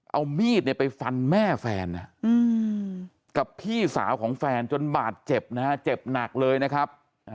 เอามีดไปฟันแม่แฟนกับพี่สาวของแฟนจนบาดเจ็บนะฮะเจ็บหนักเลยนะครับ